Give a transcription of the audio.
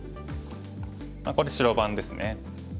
ここで白番ですね。